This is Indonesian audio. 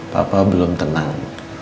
papa belum tenang